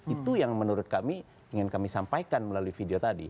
itu yang menurut kami ingin kami sampaikan melalui video tadi